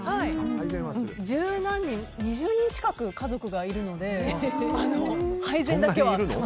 十何人、２０人近く家族がいるので配膳だけは。